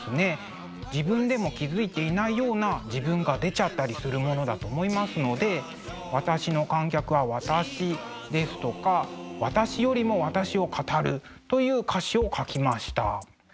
自分でも気付いていないような自分が出ちゃったりするものだと思いますので「私の観客は私です」とか「私よりも私を語る」という歌詞を書きました。